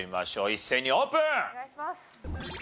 一斉にオープン！